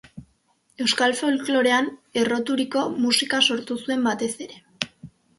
Euskal folklorean erroturiko musika sortu zuen batez ere.